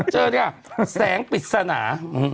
เจอเนี่ยแสงปริศนา